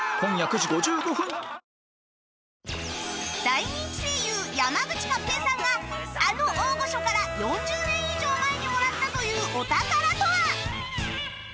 大人気声優山口勝平さんがあの大御所から４０年以上前にもらったというお宝とは！？